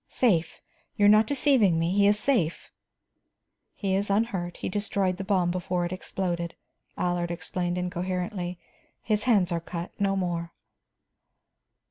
"Safe? You are not deceiving me, he is safe?" "He is unhurt; he destroyed the bomb before it exploded," Allard explained incoherently. "His hands are cut, no more."